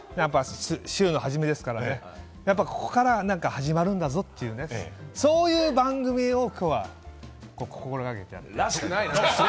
週の初めですから、ここから始まるんだぞという、そういう番組をきょうは心掛けてやっていきたい。